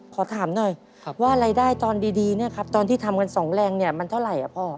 ขอถามหน่อยว่ารายได้ตอนดีเนี่ยครับตอนที่ทำกันสองแรงเนี่ยมันเท่าไหร่พ่อ